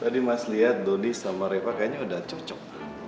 tadi mas liat donny sama reva kayaknya udah cocok